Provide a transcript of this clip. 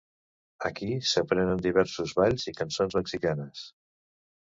Aquí, s'aprenen diversos balls i cançons mexicanes.